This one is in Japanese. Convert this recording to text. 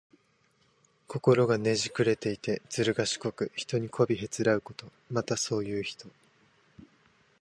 心がねじくれていて、ずるがしこく、人にこびへつらうこと。また、そういう人。